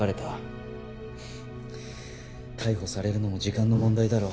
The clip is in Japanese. フッ逮捕されるのも時間の問題だろう。